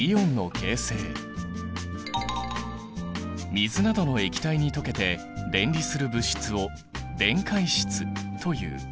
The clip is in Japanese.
水などの液体に溶けて電離する物質を電解質という。